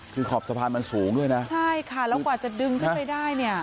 คือขอบสะพานมันสูงด้วยนะใช่ค่ะแล้วกว่าจะดึงขึ้นไปได้เนี่ย